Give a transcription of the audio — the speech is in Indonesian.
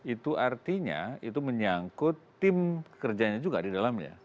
itu artinya itu menyangkut tim kerjanya juga di dalamnya